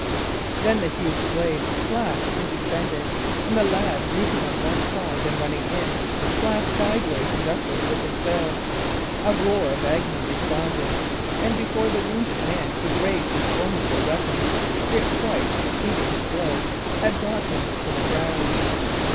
Then the huge blade flashed and descended, and the lad, leaping on one side and running in, slashed sideways and upwards with his bill. A roar of agony responded, and, before the wounded man could raise his formidable weapon, Dick, twice repeating his blow, had brought him to the ground.